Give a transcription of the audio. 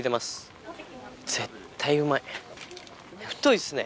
太いっすね。